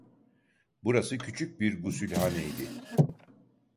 Burası küçük bir gusülhaneydi.